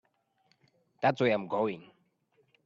That's where I'm going.